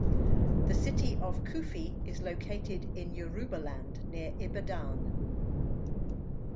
The city of Kufi is located in Yorubaland near Ibadan.